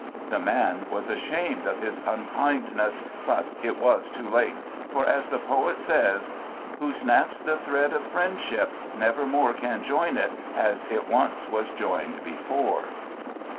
The man was ashamed of his unkindness, but it was too late, for, as the poet says "Who snaps the thread of friendship, never more Can join it as it once was joined before."